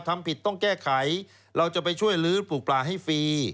ทำผิดต้องแก้ไขเราจะไปช่วยลื้อปลูกปลาให้ฟรี